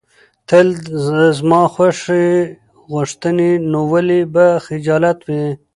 تل د زما خوښي غوښتې، نو ولې به خجالت وې.